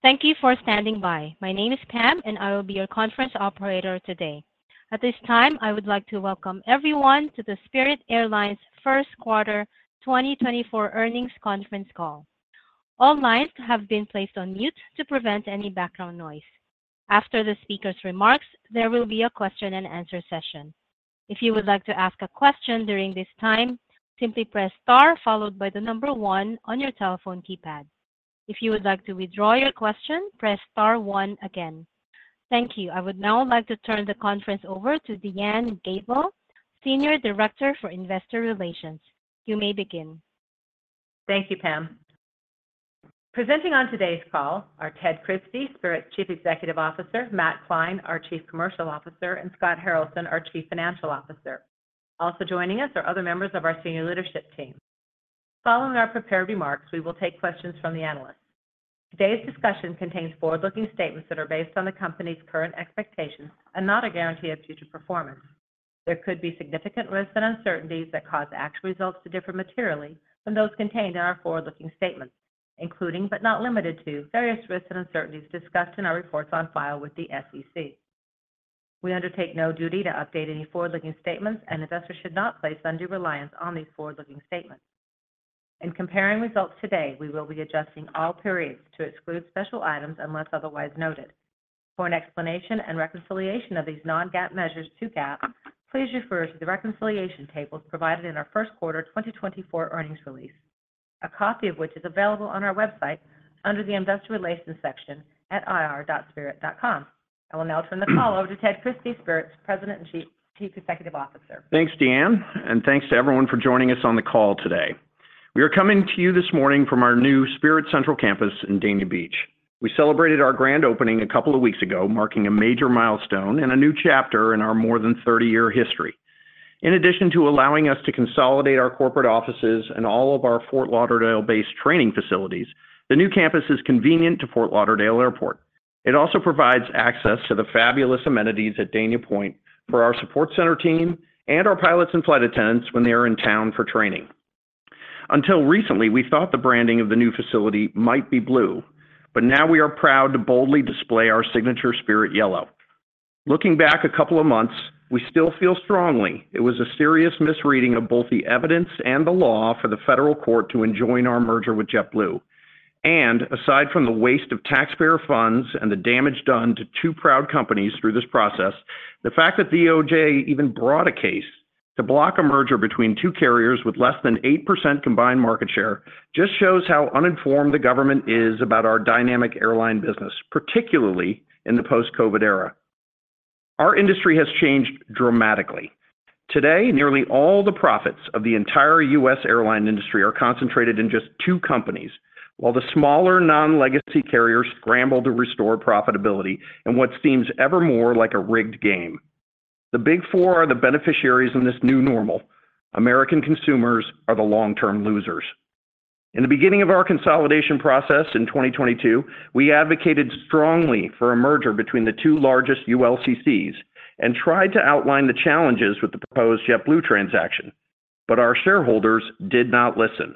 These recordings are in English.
Thank you for standing by. My name is Pam, and I will be your conference operator today. At this time, I would like to welcome everyone to the Spirit Airlines First Quarter 2024 Earnings Conference Call. All lines have been placed on mute to prevent any background noise. After the speaker's remarks, there will be a question-and-answer session. If you would like to ask a question during this time, simply press star followed by the number 1 on your telephone keypad. If you would like to withdraw your question, press star 1 again. Thank you. I would now like to turn the conference over to DeAnne Gabel, Senior Director for Investor Relations. You may begin. Thank you, Pam. Presenting on today's call are Ted Christie, Spirit Chief Executive Officer, Matt Klein, our Chief Commercial Officer, and Scott Haralson, our Chief Financial Officer. Also joining us are other members of our senior leadership team. Following our prepared remarks, we will take questions from the analysts. Today's discussion contains forward-looking statements that are based on the company's current expectations and not a guarantee of future performance. There could be significant risks and uncertainties that cause actual results to differ materially from those contained in our forward-looking statements, including, but not limited to, various risks and uncertainties discussed in our reports on file with the SEC. We undertake no duty to update any forward-looking statements, and investors should not place undue reliance on these forward-looking statements. In comparing results today, we will be adjusting all periods to exclude special items unless otherwise noted. For an explanation and reconciliation of these non-GAAP measures to GAAP, please refer to the reconciliation tables provided in our first quarter 2024 earnings release, a copy of which is available on our website under the Investor Relations section at ir.spirit.com. I will now turn the call over to Ted Christie, Spirit's President and Chief Executive Officer. Thanks, DeAnne, and thanks to everyone for joining us on the call today. We are coming to you this morning from our new Spirit Central campus in Dania Beach. We celebrated our grand opening a couple of weeks ago, marking a major milestone and a new chapter in our more than 30-year history. In addition to allowing us to consolidate our corporate offices and all of our Fort Lauderdale-based training facilities, the new campus is convenient to Fort Lauderdale Airport. It also provides access to the fabulous amenities at Dania Pointe for our support center team and our pilots and flight attendants when they are in town for training. Until recently, we thought the branding of the new facility might be blue, but now we are proud to boldly display our signature Spirit yellow. Looking back a couple of months, we still feel strongly it was a serious misreading of both the evidence and the law for the federal court to enjoin our merger with JetBlue. Aside from the waste of taxpayer funds and the damage done to two proud companies through this process, the fact that DOJ even brought a case to block a merger between two carriers with less than 8% combined market share just shows how uninformed the government is about our dynamic airline business, particularly in the post-COVID era. Our industry has changed dramatically. Today, nearly all the profits of the entire U.S. airline industry are concentrated in just two companies, while the smaller, non-legacy carriers scramble to restore profitability in what seems evermore like a rigged game. The Big Four are the beneficiaries in this new normal. American consumers are the long-term losers. In the beginning of our consolidation process in 2022, we advocated strongly for a merger between the two largest ULCCs and tried to outline the challenges with the proposed JetBlue transaction, but our shareholders did not listen.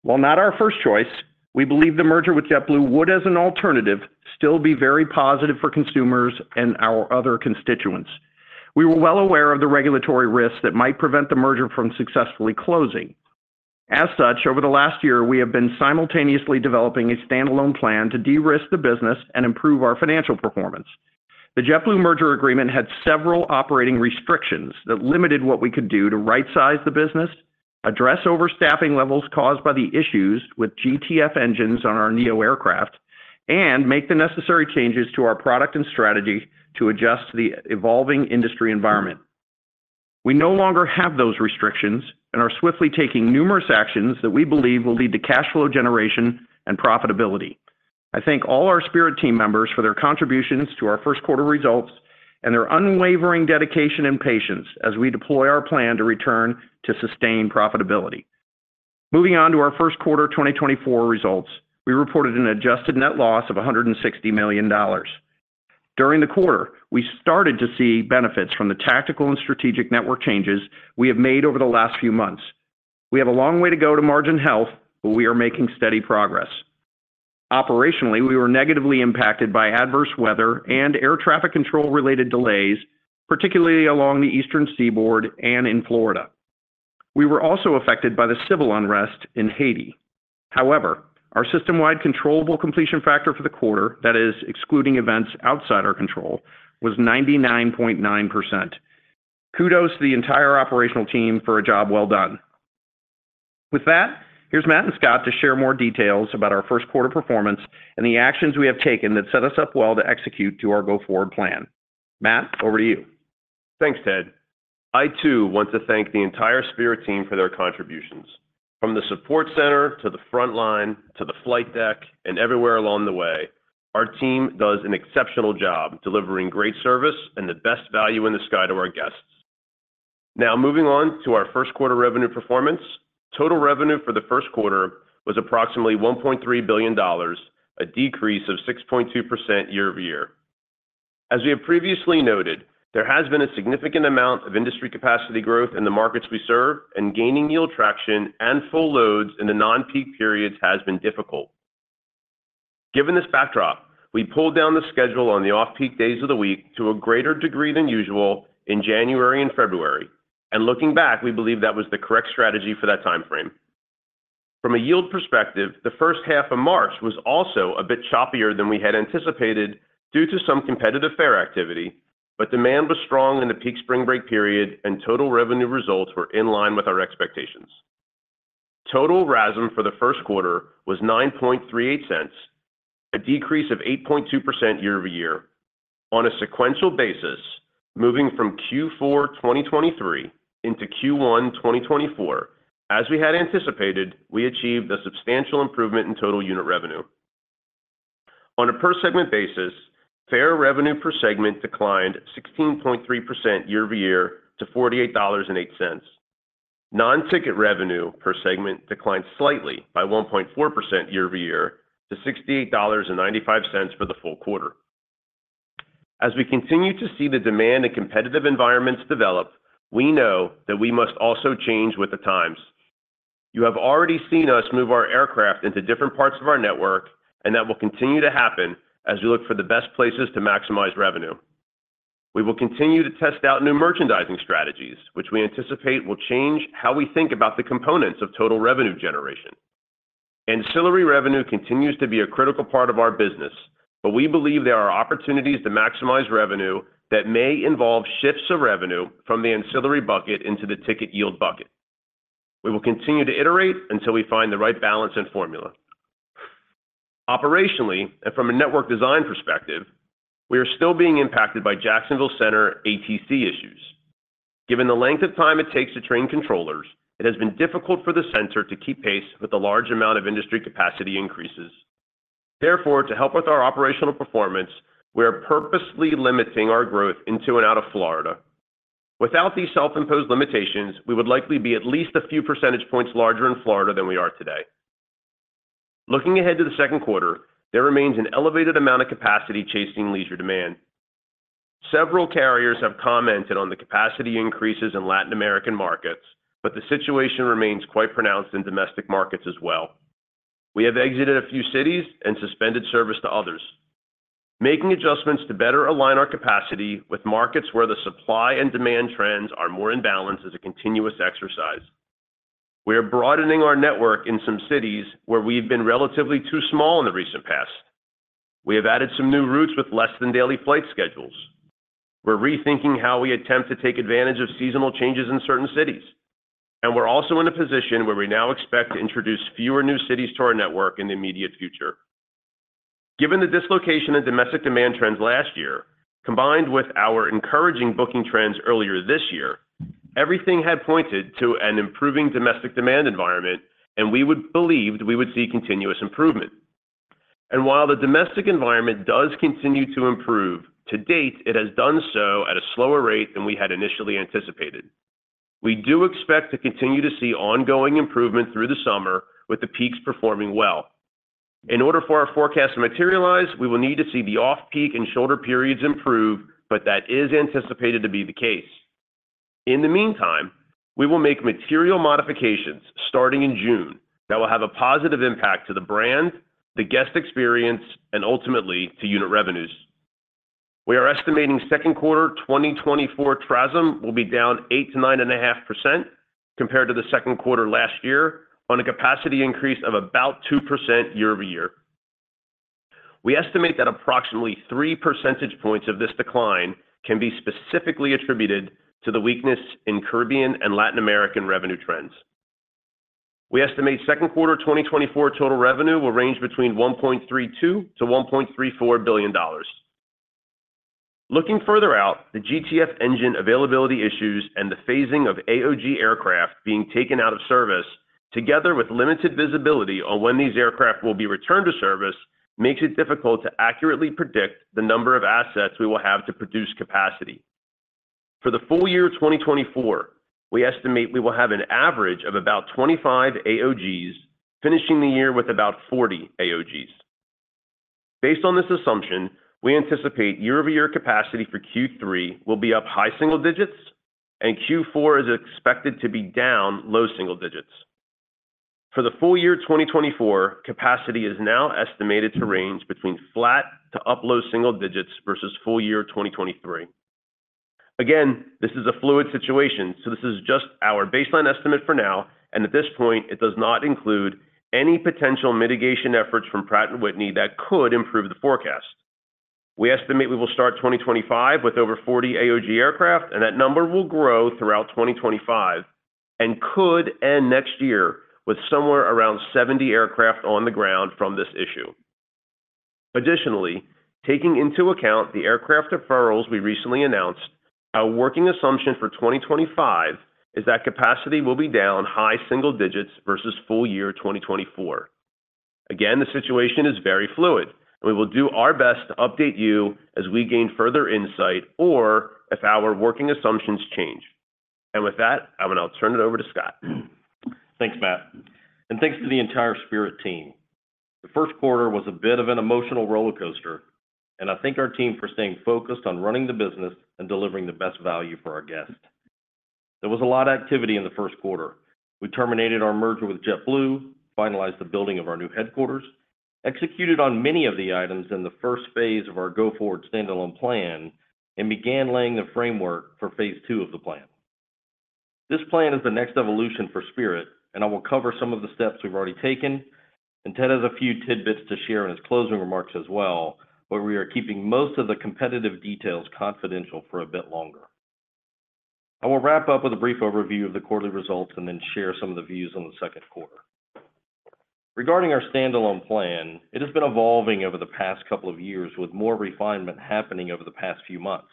While not our first choice, we believe the merger with JetBlue would, as an alternative, still be very positive for consumers and our other constituents. We were well aware of the regulatory risks that might prevent the merger from successfully closing. As such, over the last year, we have been simultaneously developing a standalone plan to de-risk the business and improve our financial performance. The JetBlue merger agreement had several operating restrictions that limited what we could do to rightsize the business, address overstaffing levels caused by the issues with GTF engines on our neo aircraft, and make the necessary changes to our product and strategy to adjust to the evolving industry environment. We no longer have those restrictions and are swiftly taking numerous actions that we believe will lead to cash flow generation and profitability. I thank all our Spirit team members for their contributions to our first quarter results and their unwavering dedication and patience as we deploy our plan to return to sustained profitability. Moving on to our first quarter 2024 results, we reported an adjusted net loss of $160 million. During the quarter, we started to see benefits from the tactical and strategic network changes we have made over the last few months. We have a long way to go to margin health, but we are making steady progress. Operationally, we were negatively impacted by adverse weather and air traffic control-related delays, particularly along the Eastern Seaboard and in Florida. We were also affected by the civil unrest in Haiti. However, our system-wide controllable completion factor for the quarter, that is, excluding events outside our control, was 99.9%. Kudos to the entire operational team for a job well done. With that, here's Matt and Scott to share more details about our first quarter performance and the actions we have taken that set us up well to execute to our go-forward plan. Matt, over to you. Thanks, Ted. I, too, want to thank the entire Spirit team for their contributions. From the support center to the front line to the flight deck and everywhere along the way, our team does an exceptional job delivering great service and the best value in the sky to our guests. Now, moving on to our first quarter revenue performance. Total revenue for the first quarter was approximately $1.3 billion, a decrease of 6.2% year-over-year. As we have previously noted, there has been a significant amount of industry capacity growth in the markets we serve, and gaining yield traction and full loads in the non-peak periods has been difficult. Given this backdrop, we pulled down the schedule on the off-peak days of the week to a greater degree than usual in January and February, and looking back, we believe that was the correct strategy for that time frame. From a yield perspective, the first half of March was also a bit choppier than we had anticipated due to some competitive fare activity, but demand was strong in the peak spring break period, and total revenue results were in line with our expectations. Total RASM for the first quarter was $0.0938, a decrease of 8.2% year-over-year. On a sequential basis, moving from Q4 2023 into Q1 2024, as we had anticipated, we achieved a substantial improvement in total unit revenue. On a per segment basis, fare revenue per segment declined 16.3% year-over-year to $48.08. Non-ticket revenue per segment declined slightly by 1.4% year-over-year to $68.95 for the full quarter. As we continue to see the demand and competitive environments develop, we know that we must also change with the times. You have already seen us move our aircraft into different parts of our network, and that will continue to happen as we look for the best places to maximize revenue. We will continue to test out new merchandising strategies, which we anticipate will change how we think about the components of total revenue generation. Ancillary revenue continues to be a critical part of our business, but we believe there are opportunities to maximize revenue that may involve shifts of revenue from the ancillary bucket into the ticket yield bucket. We will continue to iterate until we find the right balance and formula. Operationally, and from a network design perspective, we are still being impacted by Jacksonville Center ATC issues. Given the length of time it takes to train controllers, it has been difficult for the center to keep pace with the large amount of industry capacity increases. Therefore, to help with our operational performance, we are purposely limiting our growth into and out of Florida. Without these self-imposed limitations, we would likely be at least a few percentage points larger in Florida than we are today. Looking ahead to the second quarter, there remains an elevated amount of capacity chasing leisure demand. Several carriers have commented on the capacity increases in Latin American markets, but the situation remains quite pronounced in domestic markets as well. We have exited a few cities and suspended service to others. Making adjustments to better align our capacity with markets where the supply and demand trends are more in balance is a continuous exercise. We are broadening our network in some cities where we've been relatively too small in the recent past. We have added some new routes with less than daily flight schedules. We're rethinking how we attempt to take advantage of seasonal changes in certain cities, and we're also in a position where we now expect to introduce fewer new cities to our network in the immediate future. Given the dislocation of domestic demand trends last year, combined with our encouraging booking trends earlier this year, everything had pointed to an improving domestic demand environment, and we believed we would see continuous improvement. And while the domestic environment does continue to improve, to date, it has done so at a slower rate than we had initially anticipated. We do expect to continue to see ongoing improvement through the summer, with the peaks performing well. In order for our forecast to materialize, we will need to see the off-peak and shoulder periods improve, but that is anticipated to be the case. In the meantime, we will make material modifications starting in June that will have a positive impact to the brand, the guest experience, and ultimately to unit revenues. We are estimating second quarter 2024 TRASM will be down 8%-9.5% compared to the second quarter last year on a capacity increase of about 2% year-over-year. We estimate that approximately 3 percentage points of this decline can be specifically attributed to the weakness in Caribbean and Latin American revenue trends. We estimate second quarter 2024 total revenue will range between $1.32 billion-$1.34 billion. Looking further out, the GTF engine availability issues and the phasing of AOG aircraft being taken out of service, together with limited visibility on when these aircraft will be returned to service, makes it difficult to accurately predict the number of assets we will have to produce capacity. For the full year 2024, we estimate we will have an average of about 25 AOGs, finishing the year with about 40 AOGs. Based on this assumption, we anticipate year-over-year capacity for Q3 will be up high single digits, and Q4 is expected to be down low single digits. For the full year 2024, capacity is now estimated to range between flat to up low single digits versus full year 2023. Again, this is a fluid situation, so this is just our baseline estimate for now, and at this point, it does not include any potential mitigation efforts from Pratt & Whitney that could improve the forecast. We estimate we will start 2025 with over 40 AOG aircraft, and that number will grow throughout 2025 and could end next year with somewhere around 70 aircraft on the ground from this issue. Additionally, taking into account the aircraft deferrals we recently announced, our working assumption for 2025 is that capacity will be down high single digits versus full year 2024. Again, the situation is very fluid, and we will do our best to update you as we gain further insight or if our working assumptions change. And with that, I'm going to turn it over to Scott.... Thanks, Matt, and thanks to the entire Spirit team. The first quarter was a bit of an emotional rollercoaster, and I thank our team for staying focused on running the business and delivering the best value for our guests. There was a lot of activity in the first quarter. We terminated our merger with JetBlue, finalized the building of our new headquarters, executed on many of the items in the first phase of our go-forward standalone plan, and began laying the framework for phase two of the plan. This plan is the next evolution for Spirit, and I will cover some of the steps we've already taken, and Ted has a few tidbits to share in his closing remarks as well, but we are keeping most of the competitive details confidential for a bit longer. I will wrap up with a brief overview of the quarterly results and then share some of the views on the second quarter. Regarding our standalone plan, it has been evolving over the past couple of years, with more refinement happening over the past few months.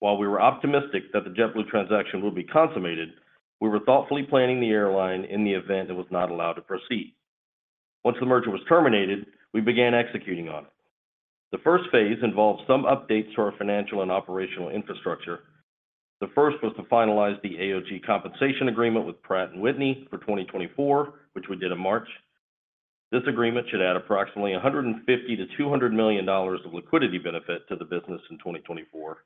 While we were optimistic that the JetBlue transaction would be consummated, we were thoughtfully planning the airline in the event it was not allowed to proceed. Once the merger was terminated, we began executing on it. The first phase involved some updates to our financial and operational infrastructure. The first was to finalize the AOG compensation agreement with Pratt & Whitney for 2024, which we did in March. This agreement should add approximately $150 million-$200 million of liquidity benefit to the business in 2024.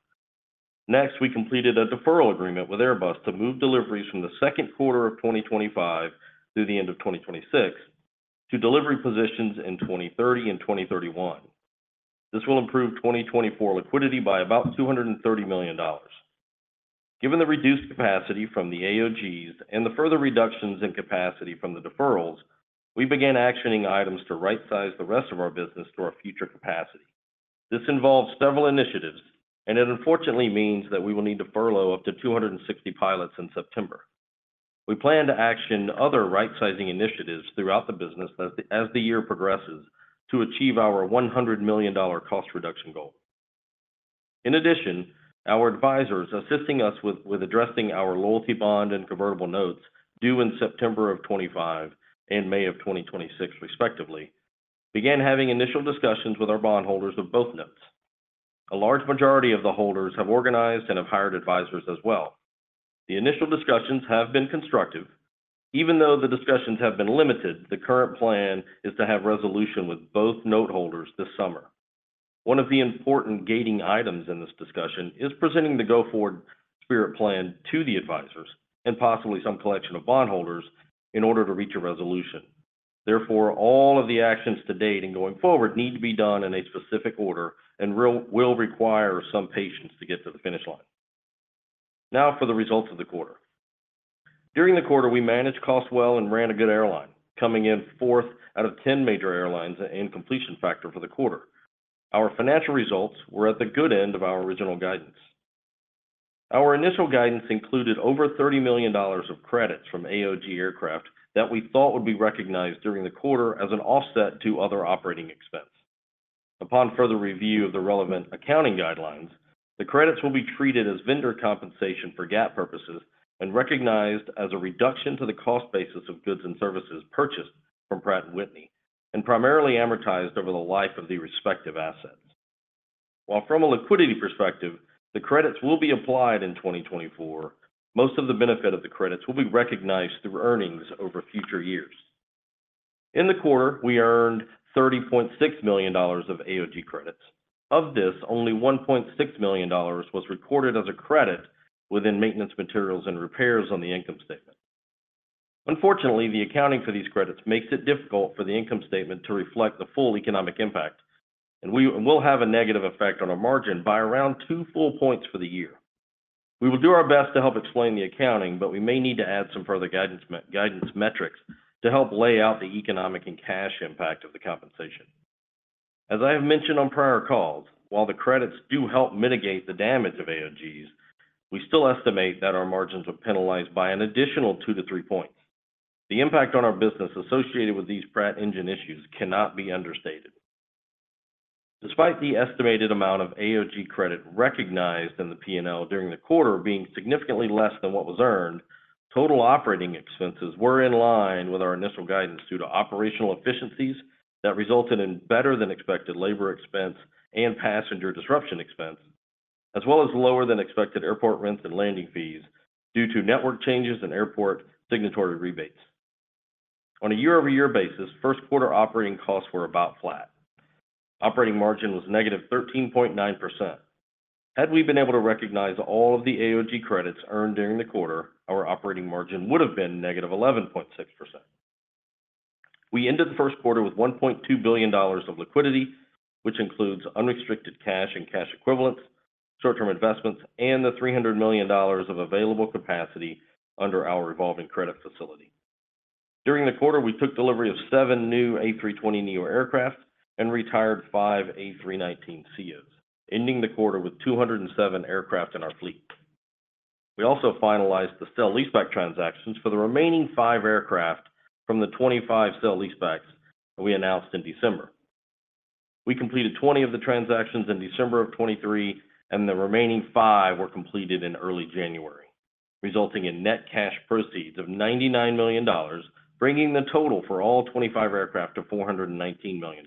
Next, we completed a deferral agreement with Airbus to move deliveries from the second quarter of 2025 through the end of 2026 to delivery positions in 2030 and 2031. This will improve 2024 liquidity by about $230 million. Given the reduced capacity from the AOGs and the further reductions in capacity from the deferrals, we began actioning items to right-size the rest of our business to our future capacity. This involves several initiatives, and it unfortunately means that we will need to furlough up to 260 pilots in September. We plan to action other right-sizing initiatives throughout the business as the year progresses to achieve our $100 million cost reduction goal. In addition, our advisors assisting us with addressing our loyalty bond and convertible notes due in September of 2025 and May of 2026, respectively, began having initial discussions with our bondholders of both notes. A large majority of the holders have organized and have hired advisors as well. The initial discussions have been constructive. Even though the discussions have been limited, the current plan is to have resolution with both note holders this summer. One of the important gating items in this discussion is presenting the go-forward Spirit plan to the advisors and possibly some collection of bondholders in order to reach a resolution. Therefore, all of the actions to date and going forward need to be done in a specific order and will require some patience to get to the finish line. Now for the results of the quarter. During the quarter, we managed costs well and ran a good airline, coming in fourth out of 10 major airlines in completion factor for the quarter. Our financial results were at the good end of our original guidance. Our initial guidance included over $30 million of credits from AOG aircraft that we thought would be recognized during the quarter as an offset to other operating expenses. Upon further review of the relevant accounting guidelines, the credits will be treated as vendor compensation for GAAP purposes and recognized as a reduction to the cost basis of goods and services purchased from Pratt & Whitney and primarily amortized over the life of the respective assets. While from a liquidity perspective, the credits will be applied in 2024, most of the benefit of the credits will be recognized through earnings over future years. In the quarter, we earned $30.6 million of AOG credits. Of this, only $1.6 million was recorded as a credit within maintenance, materials, and repairs on the income statement. Unfortunately, the accounting for these credits makes it difficult for the income statement to reflect the full economic impact, and we will have a negative effect on our margin by around two full points for the year. We will do our best to help explain the accounting, but we may need to add some further guidance, guidance metrics to help lay out the economic and cash impact of the compensation. As I have mentioned on prior calls, while the credits do help mitigate the damage of AOGs, we still estimate that our margins were penalized by an additional two to three points. The impact on our business associated with these Pratt engine issues cannot be understated. Despite the estimated amount of AOG credit recognized in the P&L during the quarter being significantly less than what was earned, total operating expenses were in line with our initial guidance due to operational efficiencies that resulted in better-than-expected labor expense and passenger disruption expense, as well as lower-than-expected airport rents and landing fees due to network changes and airport signatory rebates. On a year-over-year basis, first quarter operating costs were about flat. Operating margin was negative 13.9%. Had we been able to recognize all of the AOG credits earned during the quarter, our operating margin would have been negative 11.6%. We ended the first quarter with $1.2 billion of liquidity, which includes unrestricted cash and cash equivalents, short-term investments, and the $300 million of available capacity under our revolving credit facility. During the quarter, we took delivery of seven new A320neo aircraft and retired five A319ceos, ending the quarter with 207 aircraft in our fleet. We also finalized the sale-leaseback transactions for the remaining five aircraft from the 25 sale-leasebacks we announced in December. We completed 20 of the transactions in December of 2023, and the remaining five were completed in early January, resulting in net cash proceeds of $99 million, bringing the total for all 25 aircraft to $419 million....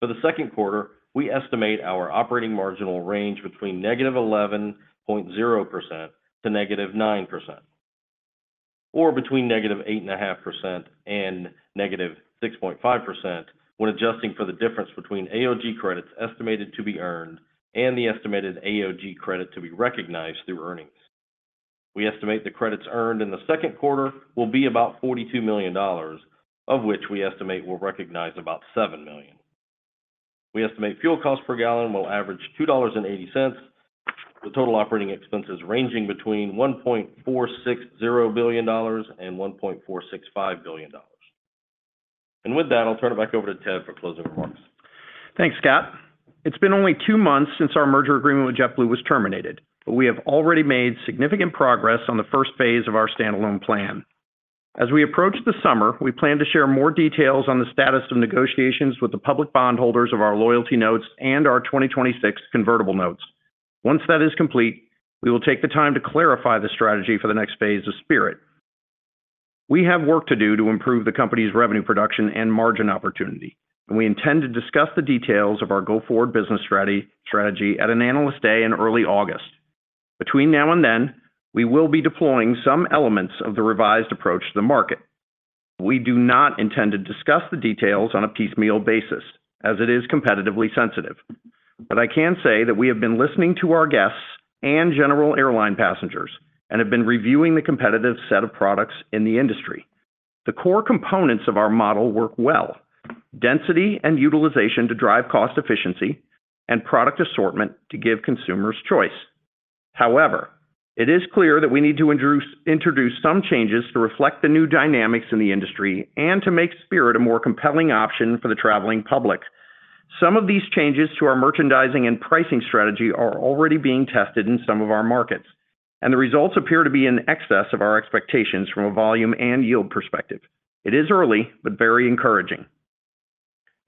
For the second quarter, we estimate our operating margin range between -11.0% to -9%, or between -8.5% and -6.5% when adjusting for the difference between AOG credits estimated to be earned and the estimated AOG credit to be recognized through earnings. We estimate the credits earned in the second quarter will be about $42 million, of which we estimate we'll recognize about $7 million. We estimate fuel costs per gallon will average $2.80, with total operating expenses ranging between $1.460 billion and $1.465 billion. With that, I'll turn it back over to Ted for closing remarks. Thanks, Scott. It's been only two months since our merger agreement with JetBlue was terminated, but we have already made significant progress on the first phase of our standalone plan. As we approach the summer, we plan to share more details on the status of negotiations with the public bondholders of our loyalty notes and our 2026 convertible notes. Once that is complete, we will take the time to clarify the strategy for the next phase of Spirit. We have work to do to improve the company's revenue production and margin opportunity, and we intend to discuss the details of our go-forward business strategy, strategy at an Analyst Day in early August. Between now and then, we will be deploying some elements of the revised approach to the market. We do not intend to discuss the details on a piecemeal basis, as it is competitively sensitive. But I can say that we have been listening to our guests and general airline passengers, and have been reviewing the competitive set of products in the industry. The core components of our model work well: density and utilization to drive cost efficiency, and product assortment to give consumers choice. However, it is clear that we need to introduce, introduce some changes to reflect the new dynamics in the industry and to make Spirit a more compelling option for the traveling public. Some of these changes to our merchandising and pricing strategy are already being tested in some of our markets, and the results appear to be in excess of our expectations from a volume and yield perspective. It is early, but very encouraging.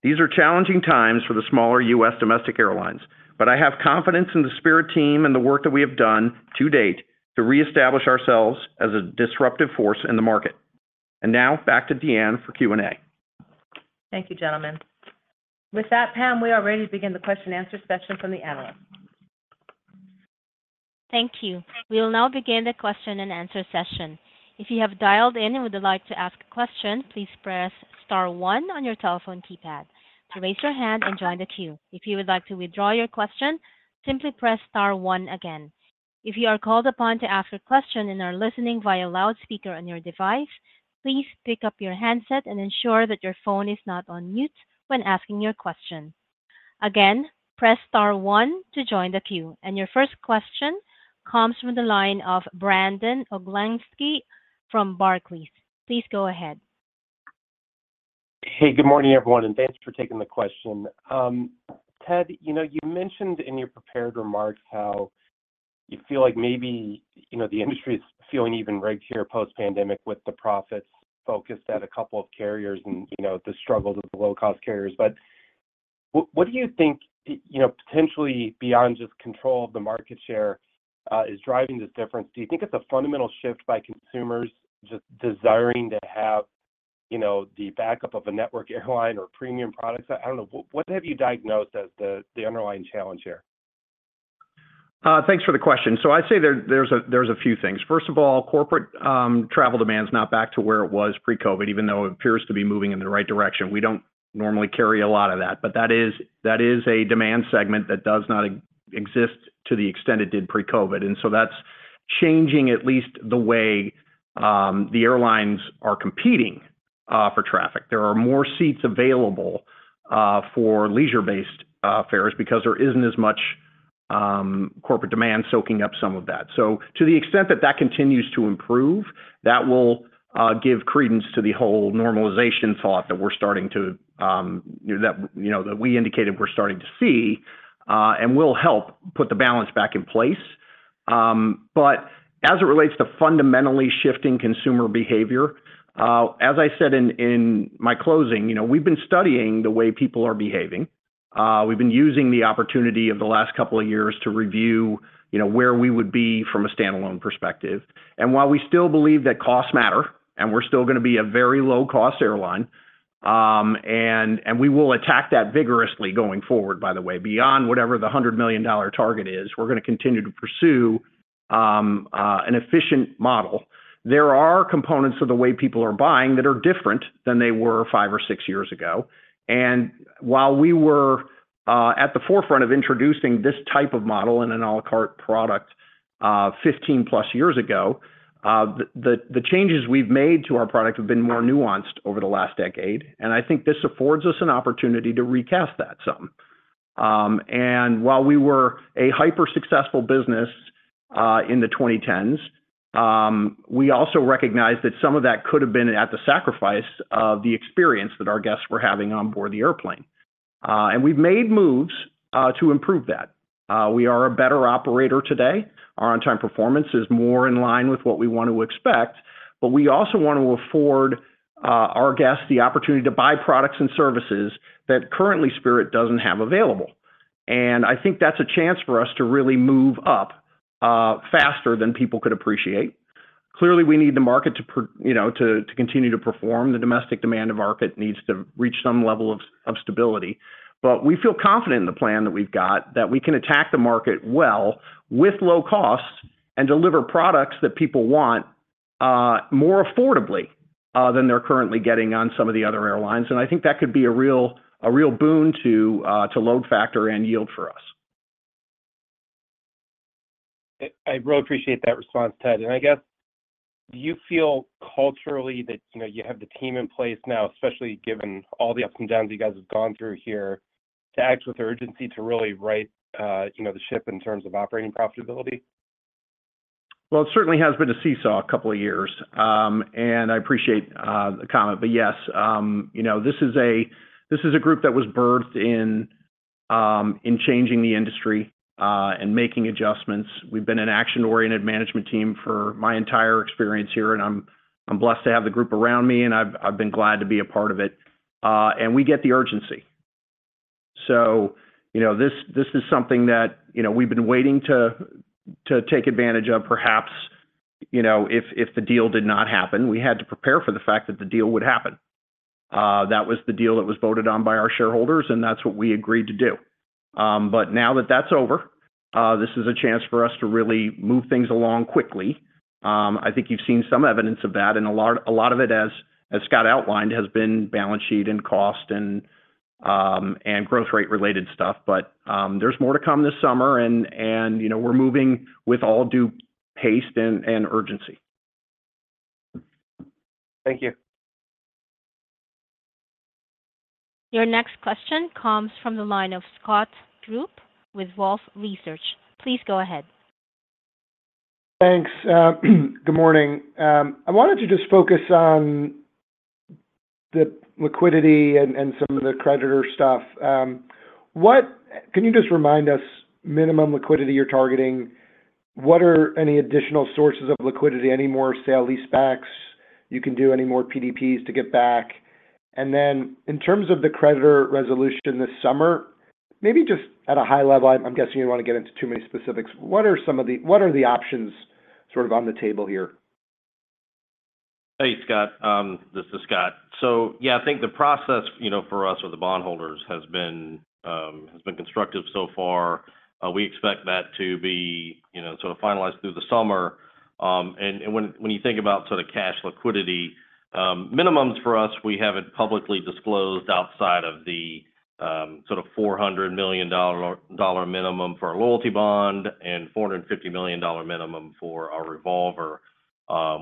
These are challenging times for the smaller U.S. domestic airlines, but I have confidence in the Spirit team and the work that we have done to date to reestablish ourselves as a disruptive force in the market. And now, back to DeAnne for Q&A. Thank you, gentlemen. With that, Pam, we are ready to begin the question and answer session from the analysts. Thank you. We will now begin the question and answer session. If you have dialed in and would like to ask a question, please press star one on your telephone keypad to raise your hand and join the queue. If you would like to withdraw your question, simply press star one again. If you are called upon to ask a question and are listening via loudspeaker on your device, please pick up your handset and ensure that your phone is not on mute when asking your question. Again, press star one to join the queue, and your first question comes from the line of Brandon Oglenski from Barclays. Please go ahead. Hey, good morning, everyone, and thanks for taking the question. Ted, you know, you mentioned in your prepared remarks how you feel like maybe, you know, the industry is feeling uneven right here post-pandemic with the profits focused at a couple of carriers and, you know, the struggles of the low-cost carriers. But what do you think, you know, potentially beyond just control of the market share, is driving this difference? Do you think it's a fundamental shift by consumers just desiring to have, you know, the backup of a network airline or premium products? I don't know, what have you diagnosed as the underlying challenge here? Thanks for the question. So I'd say there's a few things. First of all, corporate travel demand is not back to where it was pre-COVID, even though it appears to be moving in the right direction. We don't normally carry a lot of that, but that is a demand segment that does not exist to the extent it did pre-COVID, and so that's changing at least the way the airlines are competing for traffic. There are more seats available for leisure-based fares because there isn't as much corporate demand soaking up some of that. So to the extent that that continues to improve, that will give credence to the whole normalization thought that we're starting to, you know, that we indicated we're starting to see, and will help put the balance back in place. But as it relates to fundamentally shifting consumer behavior, as I said in my closing, you know, we've been studying the way people are behaving. We've been using the opportunity of the last couple of years to review, you know, where we would be from a standalone perspective. And while we still believe that costs matter, and we're still gonna be a very low-cost airline, and we will attack that vigorously going forward, by the way, beyond whatever the $100 million target is, we're gonna continue to pursue an efficient model. There are components of the way people are buying that are different than they were five or six years ago, and while we were at the forefront of introducing this type of model in an à la carte product, 15+ years ago, the changes we've made to our product have been more nuanced over the last decade, and I think this affords us an opportunity to recast that some. And while we were a hyper successful business in the 2010s, we also recognized that some of that could have been at the sacrifice of the experience that our guests were having on board the airplane. And we've made moves to improve that. We are a better operator today. Our on-time performance is more in line with what we want to expect, but we also want to afford our guests the opportunity to buy products and services that currently Spirit doesn't have available. And I think that's a chance for us to really move up faster than people could appreciate. Clearly, we need the market to perform. You know, to continue to perform. The domestic demand of market needs to reach some level of stability. But we feel confident in the plan that we've got, that we can attack the market well with low costs and deliver products that people want more affordably than they're currently getting on some of the other airlines. And I think that could be a real boon to load factor and yield for us. I really appreciate that response, Ted. And I guess, do you feel culturally that, you know, you have the team in place now, especially given all the ups and downs you guys have gone through here, to act with urgency to really right, you know, the ship in terms of operating profitability? Well, it certainly has been a seesaw a couple of years, and I appreciate the comment. But yes, you know, this is a group that was birthed in changing the industry and making adjustments. We've been an action-oriented management team for my entire experience here, and I'm blessed to have the group around me, and I've been glad to be a part of it. And we get the urgency. So, you know, this is something that, you know, we've been waiting to take advantage of, perhaps, you know, if the deal did not happen. We had to prepare for the fact that the deal would happen. That was the deal that was voted on by our shareholders, and that's what we agreed to do. But now that that's over, this is a chance for us to really move things along quickly. I think you've seen some evidence of that, and a lot, a lot of it, as Scott outlined, has been balance sheet and cost and, and growth rate-related stuff. But there's more to come this summer, and you know, we're moving with all due haste and urgency. Thank you. Your next question comes from the line of Scott Group with Wolfe Research. Please go ahead. Thanks. Good morning. I wanted to just focus on the liquidity and some of the creditor stuff. Can you just remind us minimum liquidity you're targeting? What are any additional sources of liquidity? Any more sale-leasebacks you can do? Any more PDPs to get back? And then, in terms of the creditor resolution this summer, maybe just at a high level, I'm guessing you don't want to get into too many specifics, what are some of the options sort of on the table here? Hey, Scott, this is Scott. So yeah, I think the process, you know, for us or the bondholders has been, has been constructive so far. We expect that to be, you know, sort of finalized through the summer. And, and when, when you think about sort of cash liquidity, minimums for us, we have it publicly disclosed outside of the, sort of $400 million minimum for our loyalty bond and $450 million minimum for our revolver.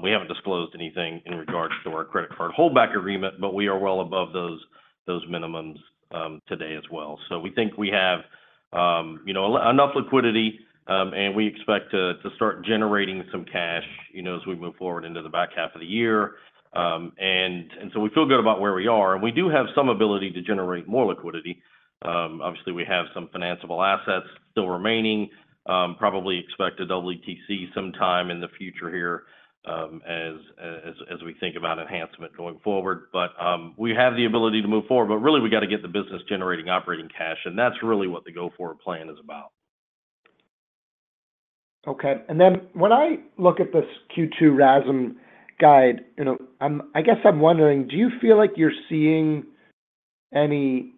We haven't disclosed anything in regards to our credit card holdback agreement, but we are well above those, those minimums, today as well. So we think we have, you know, enough liquidity, and we expect to, to start generating some cash, you know, as we move forward into the back half of the year. So we feel good about where we are, and we do have some ability to generate more liquidity. Obviously, we have some financiable assets still remaining, probably expect an EETC sometime in the future here, as we think about enhancement going forward. But we have the ability to move forward, but really, we got to get the business generating operating cash, and that's really what the go forward plan is about. Okay. And then when I look at this Q2 RASM guide, you know, I guess I'm wondering, do you feel like you're seeing any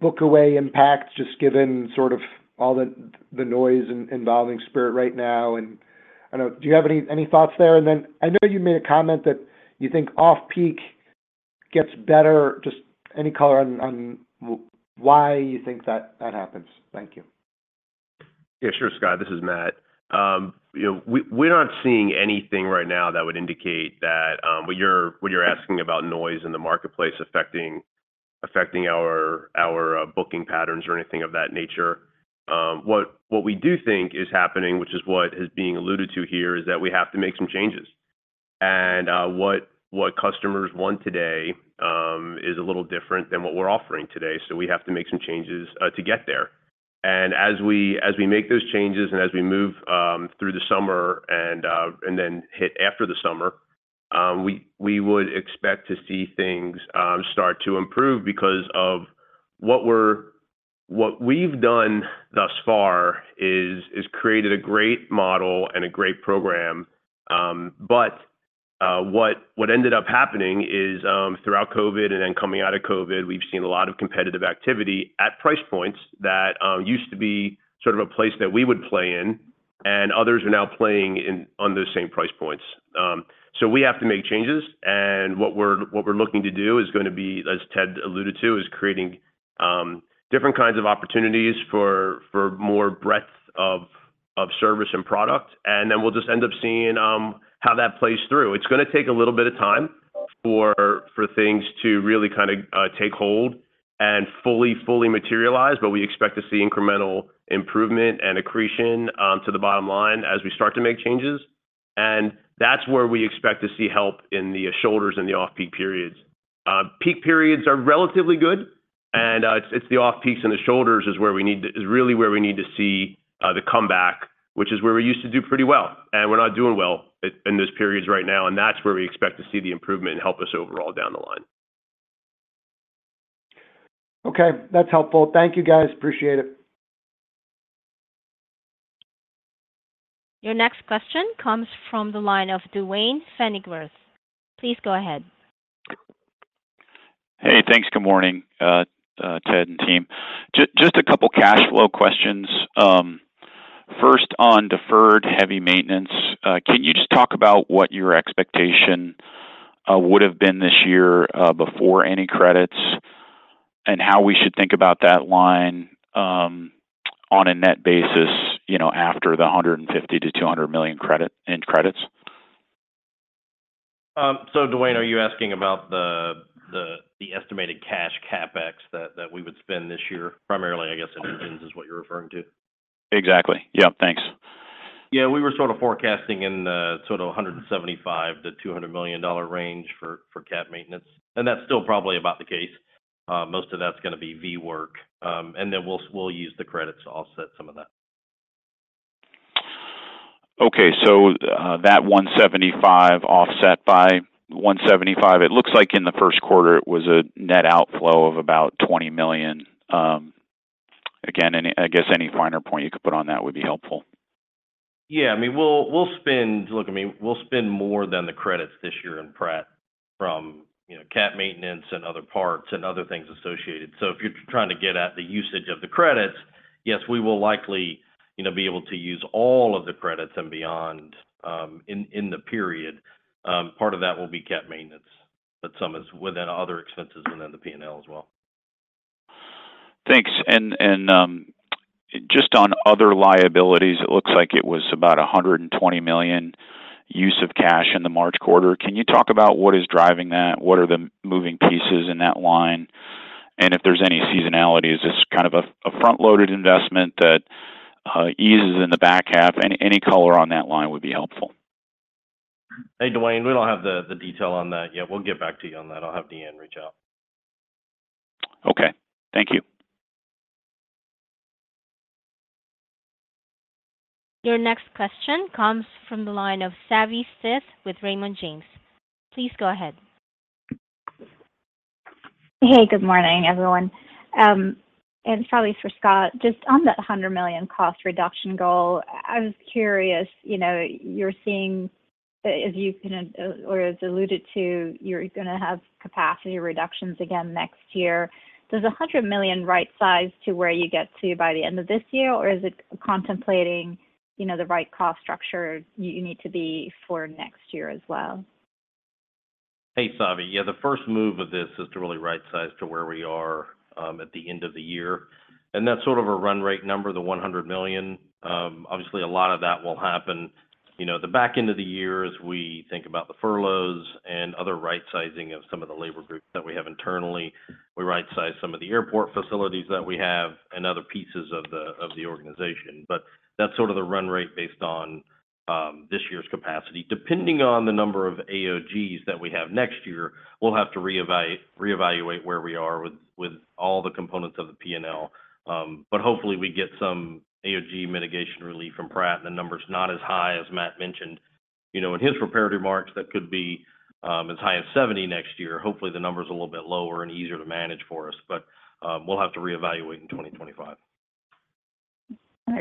book-away impact, just given sort of all the noise involving Spirit right now? And I don't know, do you have any thoughts there? And then I know you made a comment that you think off-peak gets better. Just any color on why you think that happens? Thank you. Yeah, sure, Scott. This is Matt. You know, we're not seeing anything right now that would indicate that. When you're asking about noise in the marketplace affecting our booking patterns or anything of that nature. What we do think is happening, which is what is being alluded to here, is that we have to make some changes. And what customers want today is a little different than what we're offering today, so we have to make some changes to get there. And as we make those changes, and as we move through the summer and then hit after the summer, we would expect to see things start to improve because of what we're-- what we've done thus far is created a great model and a great program. But what ended up happening is, throughout COVID and then coming out of COVID, we've seen a lot of competitive activity at price points that used to be sort of a place that we would play in, and others are now playing in on those same price points. So we have to make changes, and what we're looking to do is gonna be, as Ted alluded to, is creating different kinds of opportunities for more breadth of service and product, and then we'll just end up seeing how that plays through. It's gonna take a little bit of time for things to really kind of take hold and fully materialize, but we expect to see incremental improvement and accretion to the bottom line as we start to make changes. And that's where we expect to see help in the shoulders and the off-peak periods. Peak periods are relatively good, and it's the off-peaks and the shoulders is really where we need to see the comeback, which is where we used to do pretty well, and we're not doing well in those periods right now, and that's where we expect to see the improvement help us overall down the line.... Okay, that's helpful. Thank you, guys. Appreciate it. Your next question comes from the line of Duane Pfennigwerth. Please go ahead. Hey, thanks. Good morning, Ted and team. Just a couple cash flow questions. First, on deferred heavy maintenance, can you just talk about what your expectation would have been this year, before any credits, and how we should think about that line, on a net basis, you know, after the $150 million-$200 million in credits? So Duane, are you asking about the estimated cash CapEx that we would spend this year? Primarily, I guess, it is what you're referring to. Exactly. Yeah. Thanks. Yeah, we were sort of forecasting in the sort of $175 million-$200 million range for Cap maintenance, and that's still probably about the case. Most of that's gonna be C work, and then we'll use the credits to offset some of that. Okay, so, that $175 offset by $175, it looks like in the first quarter it was a net outflow of about $20 million. Again, any, I guess any finer point you could put on that would be helpful. Yeah. I mean, we'll spend... Look, I mean, we'll spend more than the credits this year in Pratt from, you know, Cap maintenance and other parts and other things associated. So if you're trying to get at the usage of the credits, yes, we will likely, you know, be able to use all of the credits and beyond in the period. Part of that will be Cap maintenance, but some is within other expenses and then the P&L as well. Thanks. And just on other liabilities, it looks like it was about $120 million use of cash in the March quarter. Can you talk about what is driving that? What are the moving pieces in that line? And if there's any seasonality, is this kind of a front-loaded investment that eases in the back half? Any color on that line would be helpful. Hey, Duane, we don't have the detail on that yet. We'll get back to you on that. I'll have DeAnne reach out. Okay. Thank you. Your next question comes from the line of Savanthi Syth with Raymond James. Please go ahead. Hey, good morning, everyone. It's probably for Scott. Just on the $100 million cost reduction goal, I was curious, you know, you're seeing, as you kinda, or as alluded to, you're gonna have capacity reductions again next year. Does a $100 million right size to where you get to by the end of this year, or is it contemplating, you know, the right cost structure you need to be for next year as well? Hey, Savi. Yeah, the first move of this is to really right size to where we are at the end of the year, and that's sort of a run rate number, the $100 million. Obviously, a lot of that will happen, you know, the back end of the year as we think about the furloughs and other right sizing of some of the labor groups that we have internally. We right size some of the airport facilities that we have and other pieces of the organization. But that's sort of the run rate based on this year's capacity. Depending on the number of AOGs that we have next year, we'll have to reevaluate where we are with all the components of the P&L. But hopefully we get some AOG mitigation relief from Pratt. The number is not as high as Matt mentioned. You know, in his prepared remarks, that could be as high as 70 next year. Hopefully, the number is a little bit lower and easier to manage for us, but we'll have to reevaluate in 2025.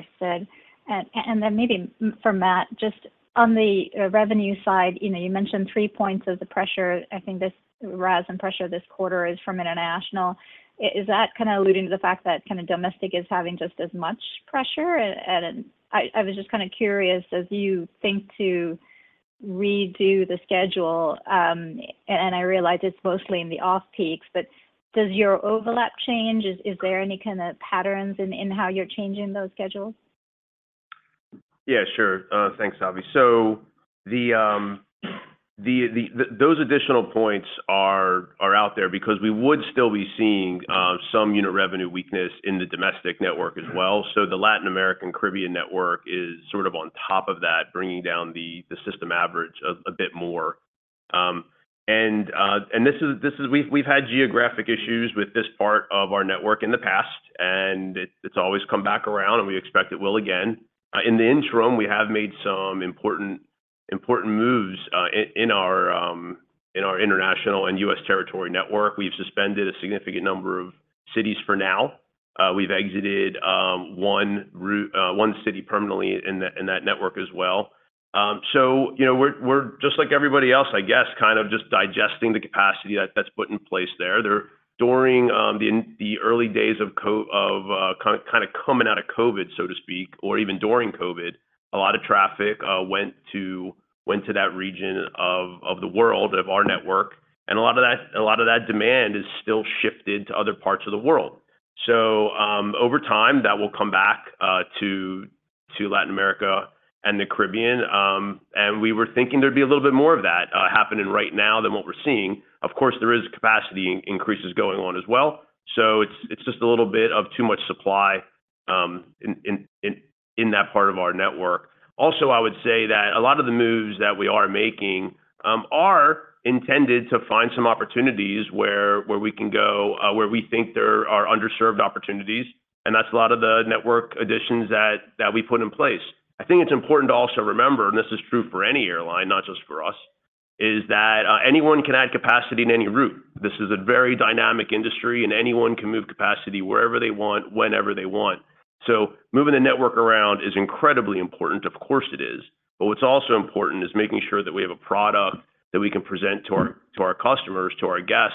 Understood. And, and then maybe for Matt, just on the revenue side, you know, you mentioned three points of the pressure. I think this rise and pressure this quarter is from international. Is that kind of alluding to the fact that kind of domestic is having just as much pressure? And I was just kind of curious, as you think to redo the schedule, and I realize it's mostly in the off-peaks, but does your overlap change? Is there any kind of patterns in how you're changing those schedules? Yeah, sure. Thanks, Savi. So those additional points are out there because we would still be seeing some unit revenue weakness in the domestic network as well. So the Latin American Caribbean network is sort of on top of that, bringing down the system average a bit more. And this is: we've had geographic issues with this part of our network in the past, and it's always come back around, and we expect it will again. In the interim, we have made some important moves in our international and U.S. territory network. We've suspended a significant number of cities for now. We've exited one city permanently in that network as well. So you know, we're just like everybody else, I guess, kind of just digesting the capacity that's put in place there. During the early days of kind of coming out of COVID, so to speak, or even during COVID, a lot of traffic went to that region of the world, of our network, and a lot of that demand is still shifted to other parts of the world. So over time, that will come back to Latin America and the Caribbean. And we were thinking there'd be a little bit more of that happening right now than what we're seeing. Of course, there is capacity increases going on as well, so it's just a little bit of too much supply in that part of our network. Also, I would say that a lot of the moves that we are making are intended to find some opportunities where we can go where we think there are underserved opportunities, and that's a lot of the network additions that we put in place. I think it's important to also remember, and this is true for any airline, not just for us, is that anyone can add capacity in any route. This is a very dynamic industry, and anyone can move capacity wherever they want, whenever they want. So moving the network around is incredibly important, of course it is. But what's also important is making sure that we have a product that we can present to our, to our customers, to our guests,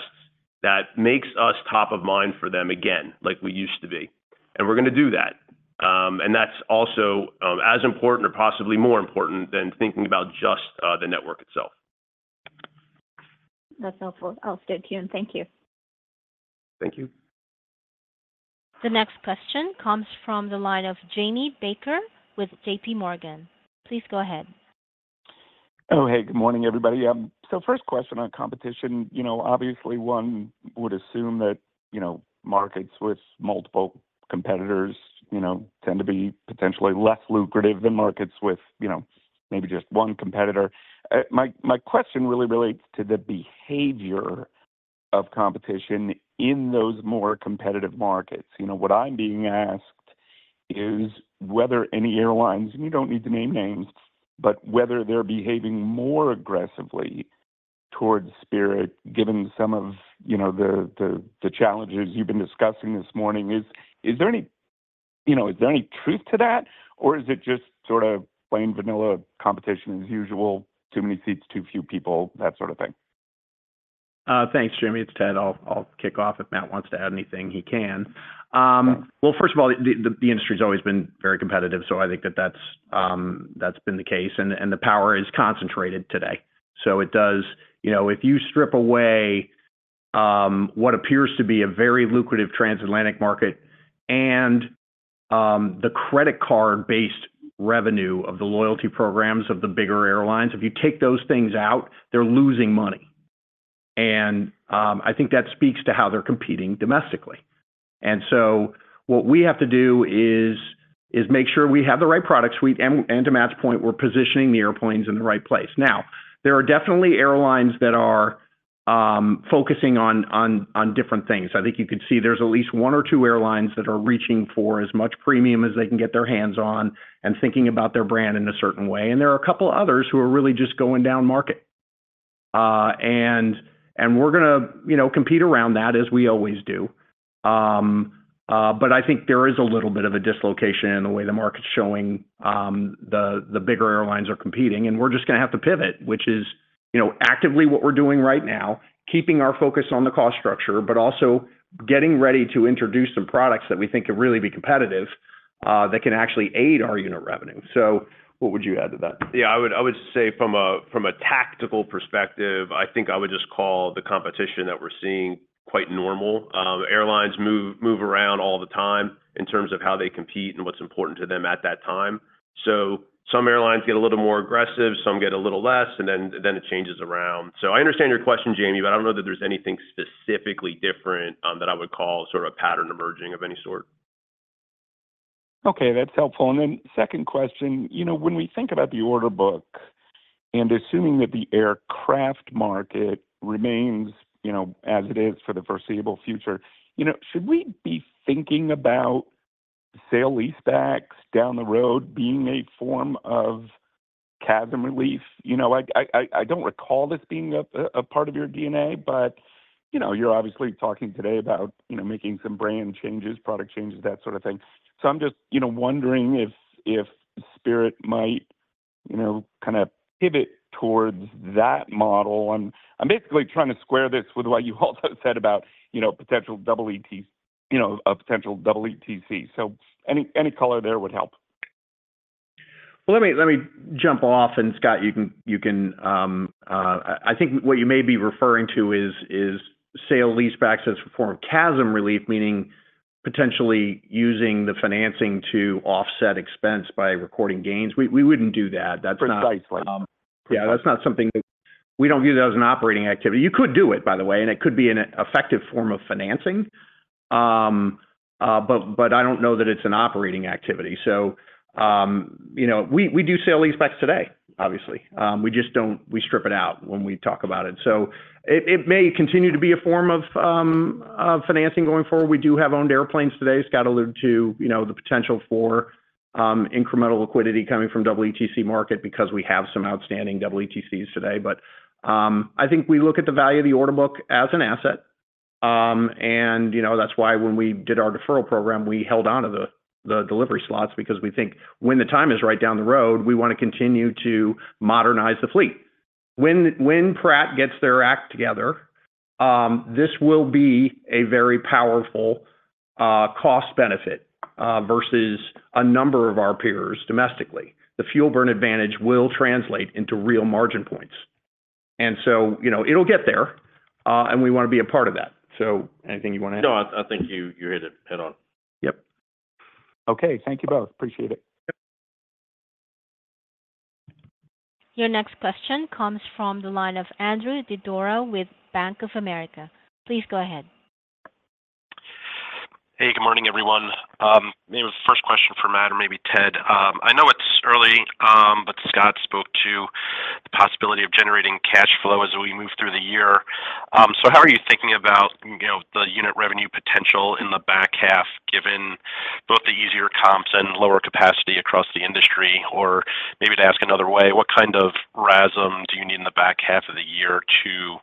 that makes us top of mind for them again, like we used to be, and we're going to do that. And that's also as important or possibly more important than thinking about just the network itself. That's helpful. I'll stay tuned. Thank you. Thank you. The next question comes from the line of Jamie Baker with J.P. Morgan. Please go ahead. Oh, hey, good morning, everybody. So first question on competition, you know, obviously one would assume that, you know, markets with multiple competitors, you know, tend to be potentially less lucrative than markets with, you know, maybe just one competitor. My, my question really relates to the behavior of competition in those more competitive markets. You know, what I'm being asked is whether any airlines, and you don't need to name names, but whether they're behaving more aggressively towards Spirit, given some of, you know, the, the, the challenges you've been discussing this morning. Is, is there any, you know, is there any truth to that? Or is it just sort of plain vanilla competition as usual, too many seats, too few people, that sort of thing? Thanks, Jamie. It's Ted. I'll kick off. If Matt wants to add anything, he can. Well, first of all, the industry has always been very competitive, so I think that's been the case, and the power is concentrated today. So it does. You know, if you strip away what appears to be a very lucrative transatlantic market and the credit card-based revenue of the loyalty programs of the bigger airlines, if you take those things out, they're losing money. And I think that speaks to how they're competing domestically. And so what we have to do is make sure we have the right product suite, and to Matt's point, we're positioning the airplanes in the right place. Now, there are definitely airlines that are focusing on different things. I think you could see there's at least one or two airlines that are reaching for as much premium as they can get their hands on and thinking about their brand in a certain way. There are a couple of others who are really just going down market. We're going to, you know, compete around that, as we always do. But I think there is a little bit of a dislocation in the way the market's showing, the bigger airlines are competing, and we're just going to have to pivot, which is, you know, actively what we're doing right now, keeping our focus on the cost structure, but also getting ready to introduce some products that we think could really be competitive, that can actually aid our unit revenue. So what would you add to that? Yeah, I would say from a tactical perspective, I think I would just call the competition that we're seeing quite normal. Airlines move around all the time in terms of how they compete and what's important to them at that time. So some airlines get a little more aggressive, some get a little less, and then it changes around. So I understand your question, Jamie, but I don't know that there's anything specifically different that I would call sort of a pattern emerging of any sort. Okay, that's helpful. And then second question, you know, when we think about the order book, and assuming that the aircraft market remains, you know, as it is for the foreseeable future, you know, should we be thinking about sale-leasebacks down the road being a form of CASM relief? You know, I, I, I don't recall this being a, a part of your DNA, but, you know, you're obviously talking today about, you know, making some brand changes, product changes, that sort of thing. So I'm just, you know, wondering if, if Spirit might, you know, kind of pivot towards that model. I'm, I'm basically trying to square this with what you also said about, you know, potential EETC. So any, any color there would help. Well, let me jump off, and, Scott, you can... I think what you may be referring to is sale-leaseback as a form of CASM relief, meaning potentially using the financing to offset expense by recording gains. We wouldn't do that. That's not- Precisely. Yeah, that's not something that-- We don't view that as an operating activity. You could do it, by the way, and it could be an effective form of financing. But I don't know that it's an operating activity. So, you know, we do sale-leasebacks today, obviously. We just don't-- We strip it out when we talk about it. So it may continue to be a form of financing going forward. We do have owned airplanes today. Scott alluded to, you know, the potential for incremental liquidity coming from EETC market because we have some outstanding EETCs today. But I think we look at the value of the order book as an asset. You know, that's why when we did our deferral program, we held on to the delivery slots because we think when the time is right down the road, we want to continue to modernize the fleet. When Pratt gets their act together, this will be a very powerful cost benefit versus a number of our peers domestically. The fuel burn advantage will translate into real margin points. And so, you know, it'll get there, and we want to be a part of that. So anything you want to add? No, I think you hit it head on. Yep. Okay. Thank you both. Appreciate it. Your next question comes from the line of Andrew Didora with Bank of America. Please go ahead. Hey, good morning, everyone. First question for Matt or maybe Ted. I know it's early, but Scott spoke to the possibility of generating cash flow as we move through the year. So how are you thinking-... and lower capacity across the industry? Or maybe to ask another way, what kind of RASM do you need in the back half of the year to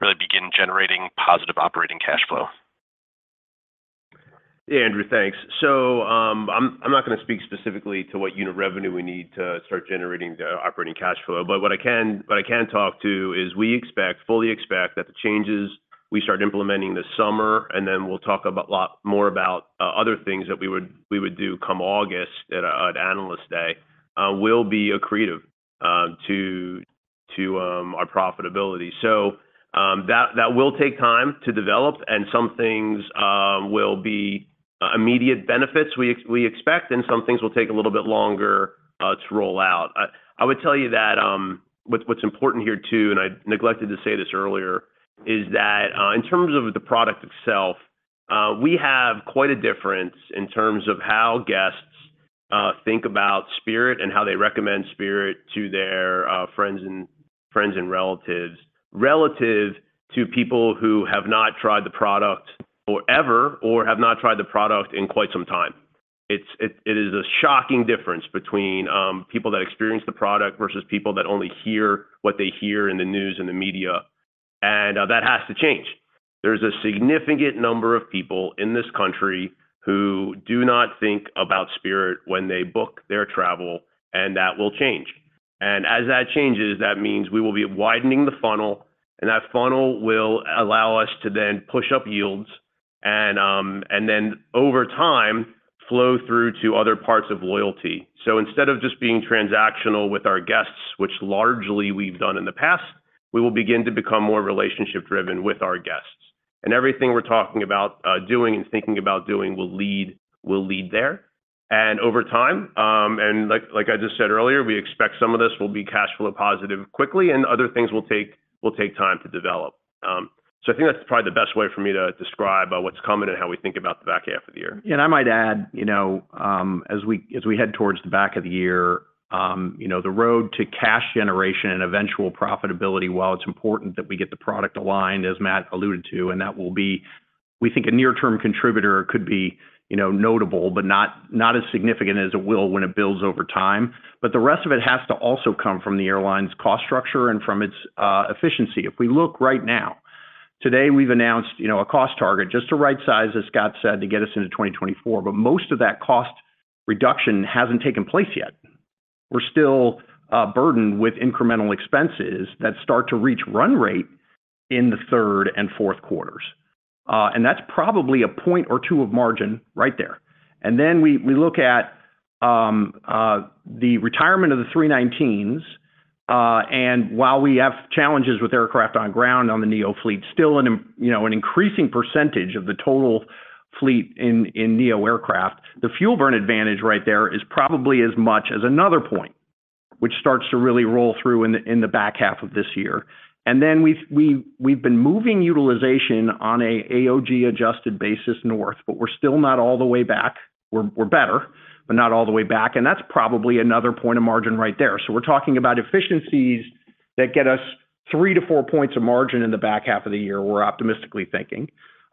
really begin generating positive operating cash flow? Yeah, Andrew, thanks. So, I'm not going to speak specifically to what unit revenue we need to start generating the operating cash flow. But what I can talk to is we expect, fully expect that the changes we start implementing this summer, and then we'll talk a lot more about other things that we would do come August at our Analyst Day, will be accretive to our profitability. So, that will take time to develop, and some things will be immediate benefits we expect, and some things will take a little bit longer to roll out. I would tell you that what's important here, too, and I neglected to say this earlier, is that in terms of the product itself, we have quite a difference in terms of how guests think about Spirit and how they recommend Spirit to their friends and relatives, relative to people who have not tried the product or have not tried the product in quite some time. It is a shocking difference between people that experience the product versus people that only hear what they hear in the news and the media, and that has to change. There's a significant number of people in this country who do not think about Spirit when they book their travel, and that will change. As that changes, that means we will be widening the funnel, and that funnel will allow us to then push up yields and, and then over time, flow through to other parts of loyalty. So instead of just being transactional with our guests, which largely we've done in the past, we will begin to become more relationship-driven with our guests. And everything we're talking about, doing and thinking about doing will lead there. And over time, and like, like I just said earlier, we expect some of this will be cash flow positive quickly, and other things will take time to develop. So I think that's probably the best way for me to describe what's coming and how we think about the back half of the year. And I might add, you know, as we head towards the back of the year, you know, the road to cash generation and eventual profitability, while it's important that we get the product aligned, as Matt alluded to, and that will be, we think, a near-term contributor, could be, you know, notable, but not, not as significant as it will when it builds over time. But the rest of it has to also come from the airline's cost structure and from its efficiency. If we look right now, today, we've announced, you know, a cost target just to rightsize, as Scott said, to get us into 2024, but most of that cost reduction hasn't taken place yet. We're still burdened with incremental expenses that start to reach run rate in the third and fourth quarters. And that's probably a point or two of margin right there. And then we look at the retirement of the 319s, and while we have challenges with aircraft on ground on the neo fleet, still, you know, an increasing percentage of the total fleet in neo aircraft. The fuel burn advantage right there is probably as much as another point, which starts to really roll through in the back half of this year. And then we've been moving utilization on a AOG-adjusted basis north, but we're still not all the way back. We're better, but not all the way back, and that's probably another point of margin right there. So we're talking about efficiencies that get us three to four points of margin in the back half of the year, we're optimistically thinking.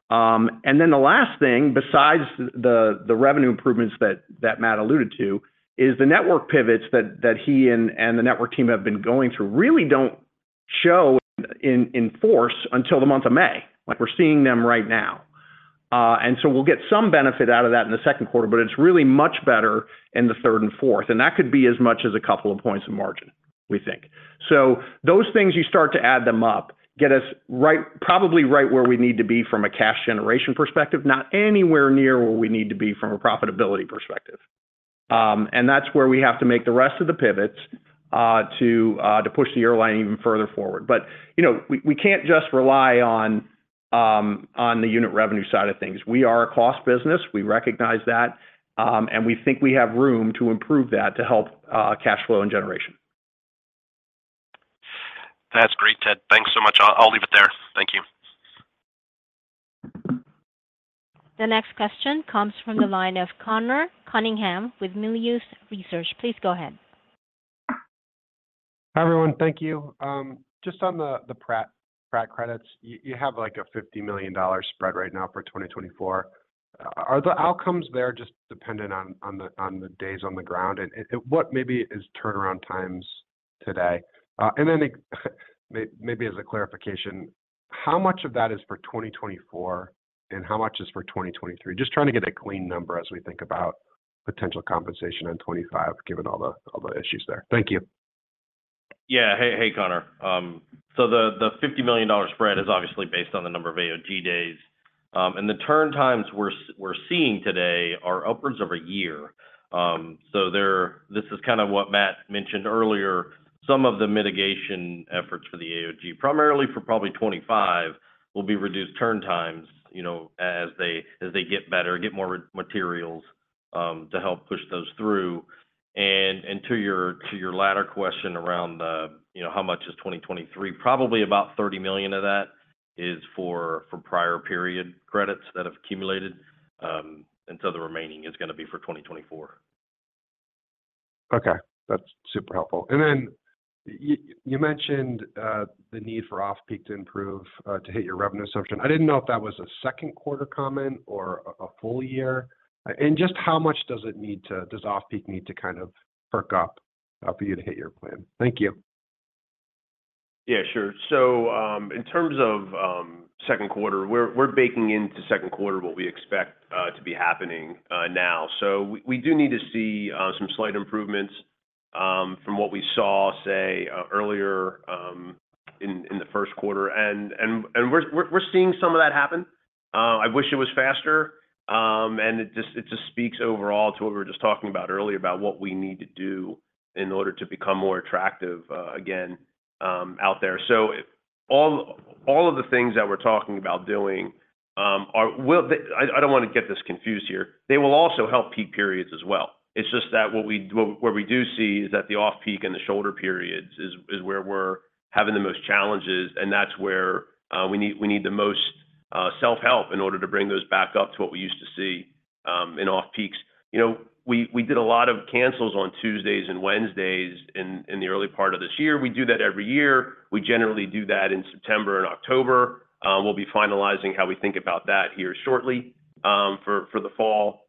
And then the last thing, besides the revenue improvements that Matt alluded to, is the network pivots that he and the network team have been going through, really don't show in force until the month of May. Like, we're seeing them right now. And so we'll get some benefit out of that in the second quarter, but it's really much better in the third and fourth, and that could be as much as a couple of points of margin, we think. So those things, you start to add them up, get us right, probably right where we need to be from a cash generation perspective, not anywhere near where we need to be from a profitability perspective. And that's where we have to make the rest of the pivots, to push the airline even further forward. But, you know, we can't just rely on the unit revenue side of things. We are a cost business, we recognize that, and we think we have room to improve that to help cash flow and generation. That's great, Ted. Thanks so much. I'll, I'll leave it there. Thank you. The next question comes from the line of Conor Cunningham with Melius Research. Please go ahead. Hi, everyone. Thank you. Just on the Pratt credits, you have, like, a $50 million spread right now for 2024. Are the outcomes there just dependent on the days on the ground? And what maybe is turnaround times today? And then, maybe as a clarification, how much of that is for 2024, and how much is for 2023? Just trying to get a clean number as we think about potential compensation in 2025, given all the issues there. Thank you. Yeah. Hey, Conor. So the $50 million spread is obviously based on the number of AOG days. And the turn times we're seeing today are upwards of a year. So there... This is kind of what Matt mentioned earlier. Some of the mitigation efforts for the AOG, primarily for probably 25, will be reduced turn times, you know, as they, as they get better, get more raw materials, to help push those through. To your latter question around, you know, how much is 2023, probably about $30 million of that is for prior period credits that have accumulated, and so the remaining is gonna be for 2024.... Okay, that's super helpful. And then you mentioned the need for off-peak to improve to hit your revenue assumption. I didn't know if that was a second quarter comment or a full year. And just how much does off-peak need to kind of perk up for you to hit your plan? Thank you. Yeah, sure. So, in terms of second quarter, we're baking into second quarter what we expect to be happening now. So we do need to see some slight improvements from what we saw, say, earlier in the first quarter. And we're seeing some of that happen. I wish it was faster. And it just speaks overall to what we were just talking about earlier, about what we need to do in order to become more attractive again out there. So all of the things that we're talking about doing are—I don't wanna get this confused here. They will also help peak periods as well. It's just that what we do see is that the off-peak and the shoulder periods is where we're having the most challenges, and that's where we need the most self-help in order to bring those back up to what we used to see in off-peaks. You know, we did a lot of cancels on Tuesdays and Wednesdays in the early part of this year. We do that every year. We generally do that in September and October. We'll be finalizing how we think about that here shortly, for the fall.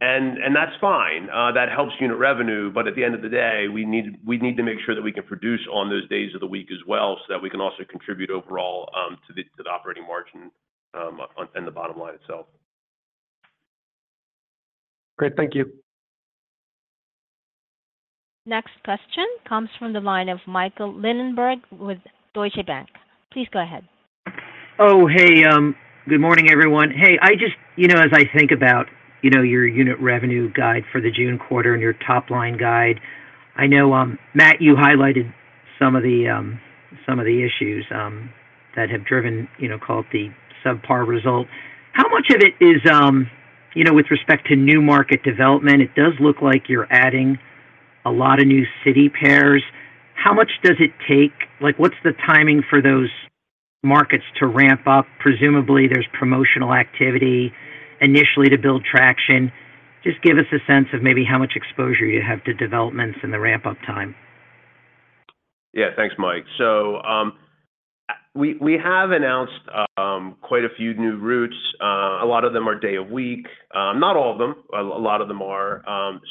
And that's fine. That helps unit revenue, but at the end of the day, we need, we need to make sure that we can produce on those days of the week as well, so that we can also contribute overall to the operating margin on and the bottom line itself. Great. Thank you. Next question comes from the line of Michael Linenberg with Deutsche Bank. Please go ahead. Oh, hey, good morning, everyone. Hey, I just you know, as I think about, you know, your unit revenue guide for the June quarter and your top-line guide, I know, Matt, you highlighted some of the, some of the issues, that have driven, you know, called the subpar result. How much of it is, you know, with respect to new market development, it does look like you're adding a lot of new city pairs. How much does it take? Like, what's the timing for those markets to ramp up? Presumably, there's promotional activity initially to build traction. Just give us a sense of maybe how much exposure you have to developments and the ramp-up time. Yeah. Thanks, Mike. So, we have announced quite a few new routes. A lot of them are day a week, not all of them, a lot of them are.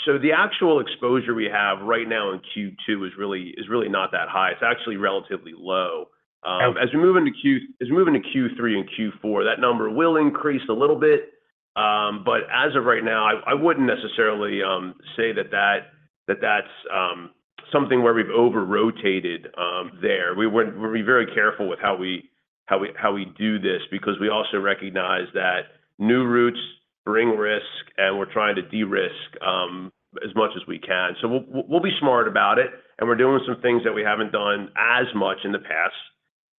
So the actual exposure we have right now in Q2 is really not that high. It's actually relatively low. As we move into Q3 and Q4, that number will increase a little bit. But as of right now, I wouldn't necessarily say that that's something where we've over-rotated there. We're being very careful with how we do this because we also recognize that new routes bring risk, and we're trying to de-risk as much as we can. So we'll be smart about it, and we're doing some things that we haven't done as much in the past.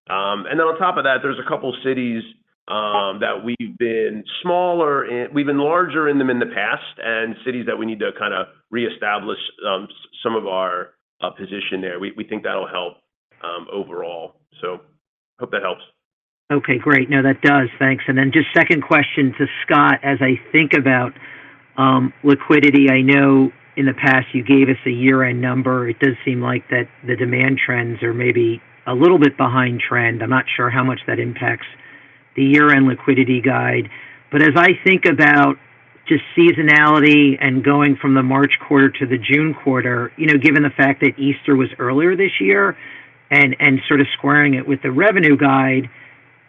And then on top of that, there's a couple cities that we've been smaller in. We've been larger in them in the past, and cities that we need to kind of reestablish some of our position there. We think that'll help overall. So hope that helps. Okay, great. Now that does. Thanks. And then just second question to Scott. As I think about liquidity, I know in the past you gave us a year-end number. It does seem like that the demand trends are maybe a little bit behind trend. I'm not sure how much that impacts the year-end liquidity guide. But as I think about just seasonality and going from the March quarter to the June quarter, you know, given the fact that Easter was earlier this year and sort of squaring it with the revenue guide,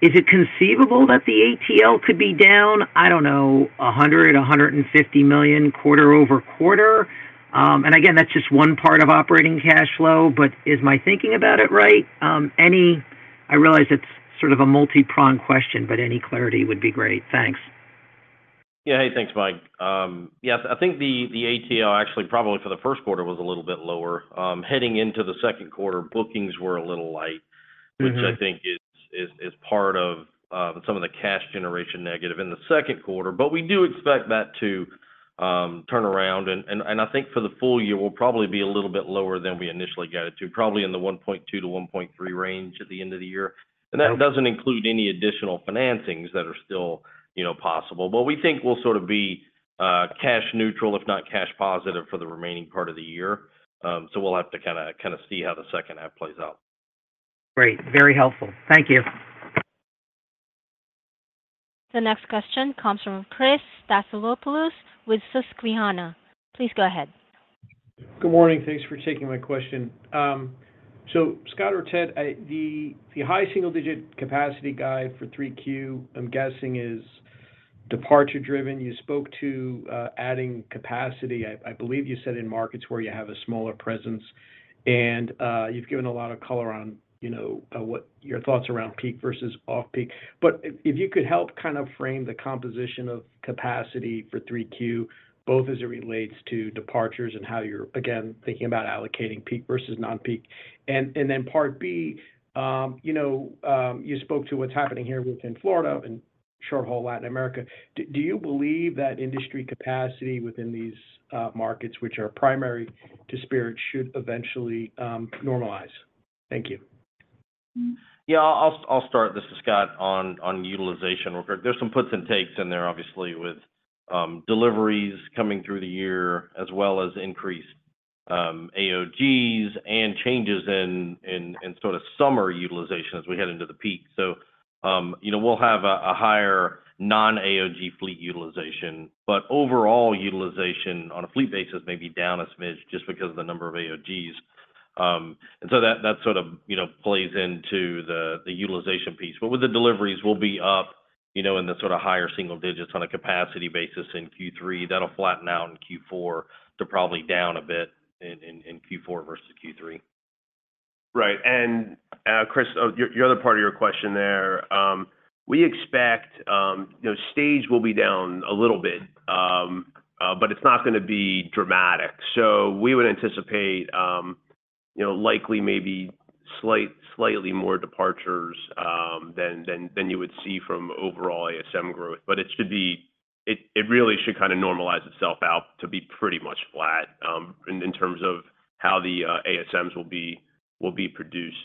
is it conceivable that the ATL could be down, I don't know, $100-$150 million quarter-over-quarter? And again, that's just one part of operating cash flow, but is my thinking about it right? Any clarity would be great. Thanks. Yeah. Hey, thanks, Mike. Yes, I think the ATL actually, probably for the first quarter, was a little bit lower. Heading into the second quarter, bookings were a little light- Mm-hmm. -which I think is part of some of the cash generation negative in the second quarter. But we do expect that to turn around, and I think for the full year, we'll probably be a little bit lower than we initially guided to, probably in the 1.2-1.3 range at the end of the year. Okay. That doesn't include any additional financings that are still, you know, possible. But we think we'll sort of be cash neutral, if not cash positive, for the remaining part of the year. So we'll have to kinda see how the second half plays out. Great. Very helpful. Thank you. The next question comes from Chris Stathoulopoulos with Susquehanna. Please go ahead. Good morning. Thanks for taking my question. So Scott or Ted, the high single-digit capacity guide for 3Q, I'm guessing, is departure driven. You spoke to adding capacity. I believe you said in markets where you have a smaller presence, and you've given a lot of color on, you know, what your thoughts around peak versus off-peak. But if you could help kind of frame the composition of capacity for 3Q, both as it relates to departures and how you're again thinking about allocating peak versus non-peak. And then part B, you know, you spoke to what's happening here within Florida and short-haul Latin America. Do you believe that industry capacity within these markets, which are primary to Spirit, should eventually normalize? Thank you.... Yeah, I'll start. This is Scott, on utilization. There's some puts and takes in there, obviously, with deliveries coming through the year, as well as increased AOGs and changes in sort of summer utilization as we head into the peak. So, you know, we'll have a higher non-AOG fleet utilization, but overall utilization on a fleet basis may be down a smidge just because of the number of AOGs. And so that sort of, you know, plays into the utilization piece. But with the deliveries, we'll be up, you know, in the sort of higher single digits on a capacity basis in Q3. That'll flatten out in Q4 to probably down a bit in Q4 versus Q3. Right. And, Chris, your other part of your question there, we expect, you know, stage will be down a little bit, but it's not gonna be dramatic. So we would anticipate, you know, likely, maybe slightly more departures, than you would see from overall ASM growth. But it should be. It really should kind of normalize itself out to be pretty much flat, in terms of how the ASMs will be produced.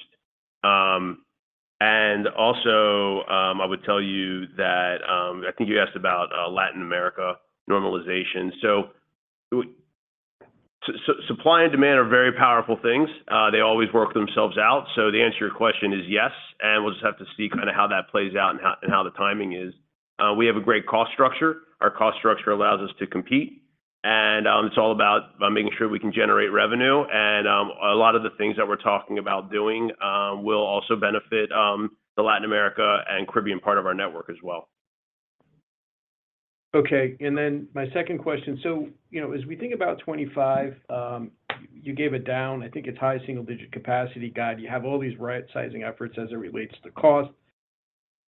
And also, I would tell you that, I think you asked about Latin America normalization. So supply and demand are very powerful things. They always work themselves out. So the answer to your question is yes, and we'll just have to see kind of how that plays out and how the timing is. We have a great cost structure. Our cost structure allows us to compete, and it's all about making sure we can generate revenue. A lot of the things that we're talking about doing will also benefit the Latin America and Caribbean part of our network as well. Okay. And then my second question: So, you know, as we think about 25, you gave it down, I think it's high single digit capacity guide. You have all these right-sizing efforts as it relates to cost,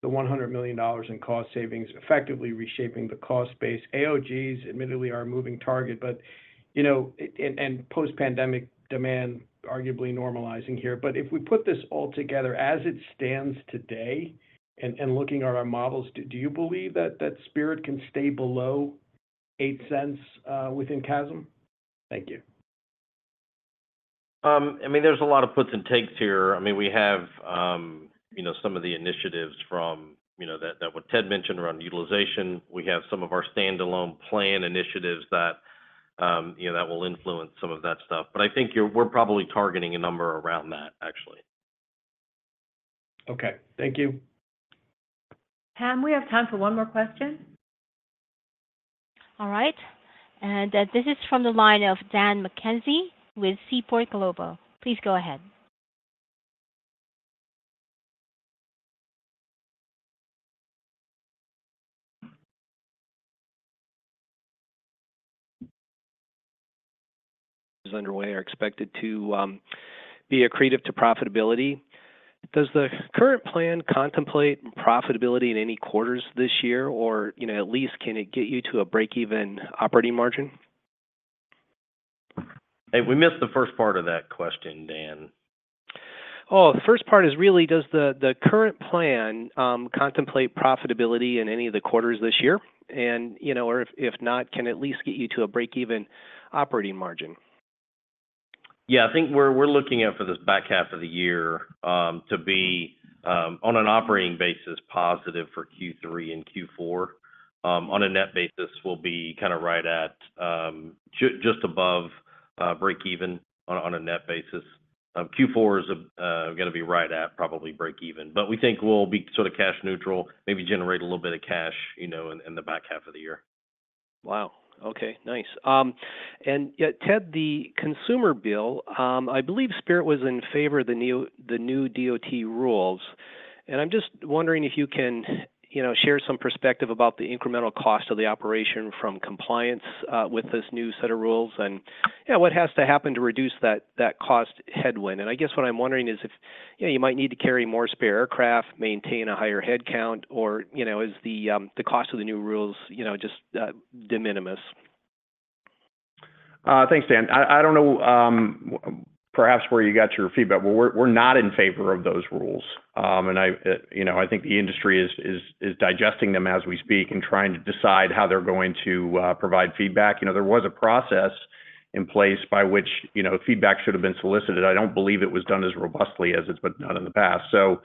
the $100 million in cost savings, effectively reshaping the cost base. AOGs admittedly are a moving target, but, you know, and post-pandemic demand arguably normalizing here. But if we put this all together, as it stands today and looking at our models, do you believe that Spirit can stay below $0.08 within CASM? Thank you. I mean, there's a lot of puts and takes here. I mean, we have, you know, some of the initiatives from, you know, that what Ted mentioned around utilization. We have some of our standalone plan initiatives that, you know, that will influence some of that stuff. But I think you're—we're probably targeting a number around that, actually. Okay. Thank you. Pam, we have time for one more question. All right. This is from the line of Dan McKenzie with Seaport Global. Please go ahead.... Is underway, are expected to be accretive to profitability. Does the current plan contemplate profitability in any quarters this year? Or, you know, at least can it get you to a break-even operating margin? Hey, we missed the first part of that question, Dan. Oh, the first part is really, does the current plan contemplate profitability in any of the quarters this year? And, you know, or if not, can it at least get you to a break-even operating margin? Yeah, I think we're looking at for this back half of the year to be on an operating basis, positive for Q3 and Q4. On a net basis, we'll be kind of right at just above break even on a net basis. Q4 is gonna be right at probably break even, but we think we'll be sort of cash neutral, maybe generate a little bit of cash, you know, in the back half of the year. Wow! Okay, nice. And, Ted, the consumer bill, I believe Spirit was in favor of the new, the new DOT rules. And I'm just wondering if you can, you know, share some perspective about the incremental cost of the operation from compliance with this new set of rules, and, yeah, what has to happen to reduce that, that cost headwind? And I guess what I'm wondering is if, you know, you might need to carry more spare aircraft, maintain a higher headcount, or, you know, is the, the cost of the new rules, you know, just de minimis? Thanks, Dan. I don't know, perhaps where you got your feedback, but we're not in favor of those rules. And I, you know, I think the industry is digesting them as we speak and trying to decide how they're going to provide feedback. You know, there was a process in place by which, you know, feedback should have been solicited. I don't believe it was done as robustly as it's been done in the past. So,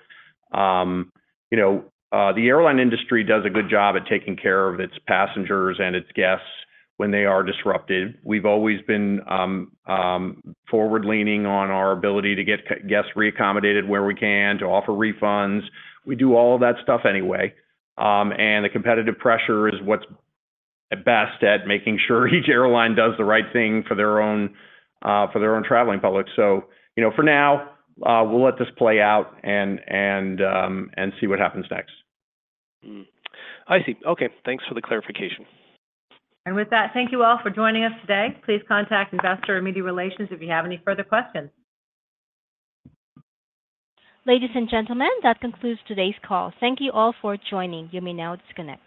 you know, the airline industry does a good job at taking care of its passengers and its guests when they are disrupted. We've always been forward-leaning on our ability to get guests reaccommodated where we can, to offer refunds. We do all of that stuff anyway, and the competitive pressure is what's at best at making sure each airline does the right thing for their own, for their own traveling public. So, you know, for now, we'll let this play out and see what happens next. Mm-hmm. I see. Okay. Thanks for the clarification. With that, thank you all for joining us today. Please contact Investor or Media Relations if you have any further questions. Ladies and gentlemen, that concludes today's call. Thank you all for joining. You may now disconnect.